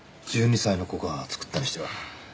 １２歳の子が作ったにしては。